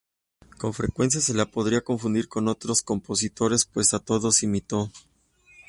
Con frecuencia se le podría confundir con otros compositores, pues a todos imitó.